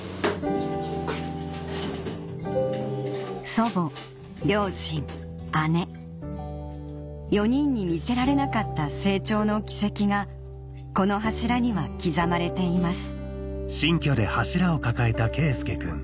祖母両親姉４人に見せられなかった成長の軌跡がこの柱には刻まれています